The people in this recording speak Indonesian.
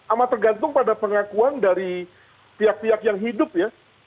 amat tergantung pada pengakuan dari pihak pihak yang hidup ya